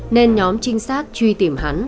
nên nhóm trinh sát truy tìm hắn